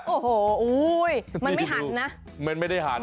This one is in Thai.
โอ้โหมันไม่หันนะ